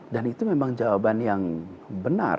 dan itu memang jawaban yang benar